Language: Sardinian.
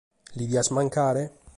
Lis dias mancare?